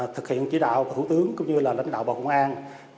thực hiện chỉ đạo của thủ tướng cũng như là lãnh đạo bộ công an